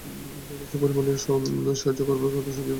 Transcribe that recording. যথেষ্ট পরিমাণে সাহায্য করবার কথা সেদিন ভাববারও জো ছিল না।